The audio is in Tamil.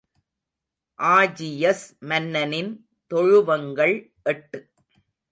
ஆஜியஸ் மன்னனின் தொழுவங்கள் எட்டு.